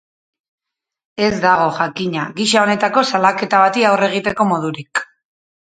Ez dago, jakina, gisa honetako salaketa bati aurre egiteko modurik.